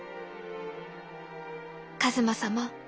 一馬様